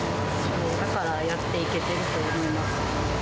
だから、やっていけてると思います。